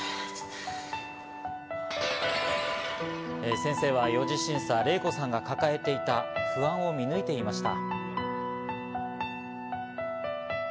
先生は４次審査、レイコさんが抱えていた不安を見抜いていました。